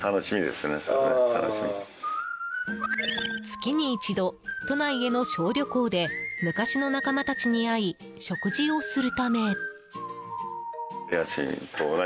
月に一度、都内への小旅行で昔の仲間たちに会い食事をするため。